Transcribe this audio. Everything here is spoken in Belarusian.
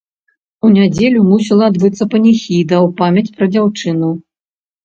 У нядзелю мусіла адбыцца паніхіда ў памяць пра дзяўчыну.